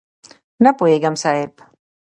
نه پوهېږم صاحب؟!